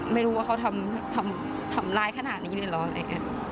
ไม่รู้ว่าเขาทำร้ายขนาดนี้เลยเหรออะไรอย่างนี้